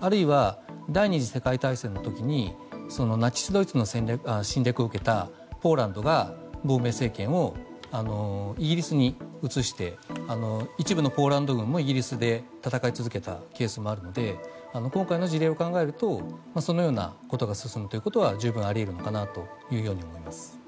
あるいは第２次世界大戦の時にナチスドイツの侵略を受けたポーランドが亡命政権をイギリスに移して一部のポーランド軍もイギリスで戦い続けたケースもあって今回の事例を考えるとそのようなことが進むということは十分あり得るのかなと思います。